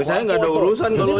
saya tidak ada urusan kalau itu